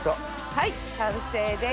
はい完成です。